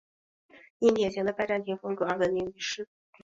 因典型的拜占庭风格而闻名于世。